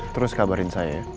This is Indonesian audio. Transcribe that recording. terus kabarin saya ya